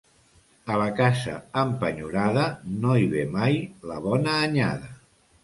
A la casa empenyorada, no hi ve mai la bona anyada.